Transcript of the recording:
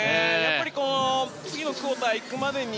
次のクオーターに行くまでに